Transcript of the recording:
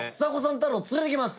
太郎を連れていきます！